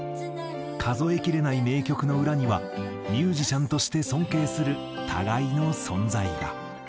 数えきれない名曲の裏にはミュージシャンとして尊敬する互いの存在が。